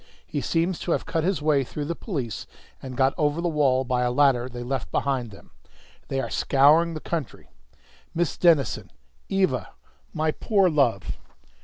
He seems to have cut his way through the police and got over the wall by a ladder they left behind them. They are scouring the country Miss Denison! Eva! My poor love!"